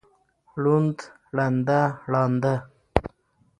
ړوند، ړنده، ړانده